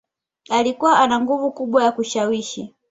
Alikuwa ana nguvu kubwa ya kushawishi